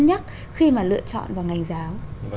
nhắc khi mà lựa chọn vào ngành giáo